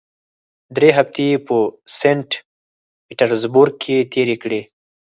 درې هفتې یې په سینټ پیټرزبورګ کې تېرې کړې.